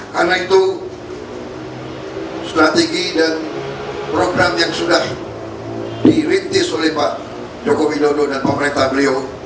karena itu strategi dan program yang sudah dirintis oleh pak joko widodo dan pemerintah beliau